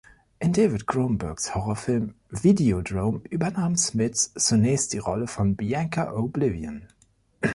In David Cronenbergs Horrorfilm „Videodrome“ übernahm Smits zudem die Rolle von Bianca O’Blivion.